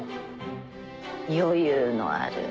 余裕のある。